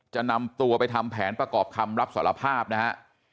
จะนำตัวไปทำแผนประกอบคำรับสารภาพนะฮะ